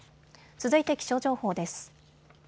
続いて気象情報です。